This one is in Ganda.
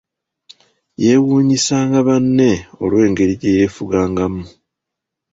Yeewuunyisanga banne olw'engeri gye yeefugangamu.